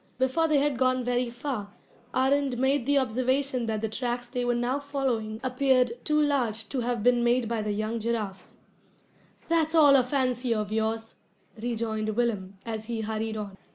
Before they had gone very far, Arend made the observation that the tracks they were now following appeared too large to have been made by the young giraffes. "That's all a fancy of yours," rejoined Willem, as he hurried on.